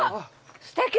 すてき！